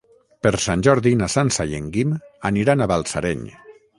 Per Sant Jordi na Sança i en Guim aniran a Balsareny.